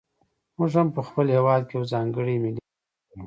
موږ هم په خپل هېواد کې یو ځانګړی ملي ارشیف لرو.